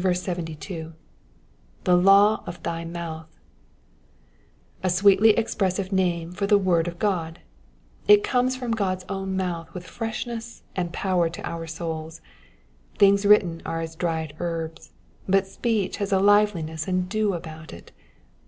72. '^The law of thy mouth.^^ A sweetly expressive name for the word of God. It comes from God^s own mouth with freshness and power to our souls. Things written are as dried herbs ; but speech has a liveliness and dew about it.